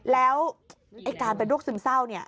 แล้วการเป็นโรคซึมเศร้า